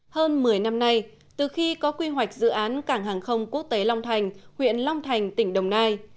hơn một mươi năm nay từ khi có quy hoạch dự án cảng hàng không quốc tế long thành huyện long thành tỉnh đồng nai